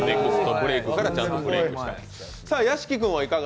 ブレイクからちゃんとブレイクした。